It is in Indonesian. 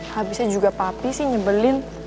habisnya juga papi sih nyebelin